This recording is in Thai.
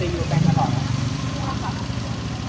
แต่ห่วงของแฟนก็ได้หรอ